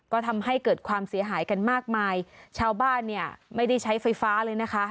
ก็ทำให้เกิดความเสียหายกันมากมายชาวบ้านเนี่ยไม่ได้ใช้ไฟฟ้าเลยนะคะ